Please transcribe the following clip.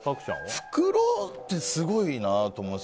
袋ってすごいなと思います。